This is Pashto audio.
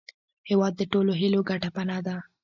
هېواد د ټولو هیلو ګډه پناه ده.